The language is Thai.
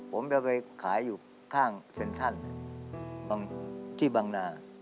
ผมจะไปขายอยู่ข้างเซ็นทั่น